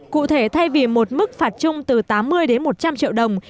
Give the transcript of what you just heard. cụ thể thay vì một mức phạt chung từ tám mươi đến một trăm linh triệu đồng